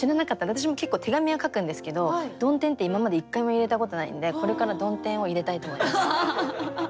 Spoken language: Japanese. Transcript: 私も結構手紙は書くんですけど「曇天」って今まで一回も入れたことないんでこれから「曇天」を入れたいと思います。